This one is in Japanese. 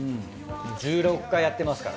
１６回やってますから。